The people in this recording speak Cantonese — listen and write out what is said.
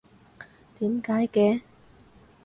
點解嘅？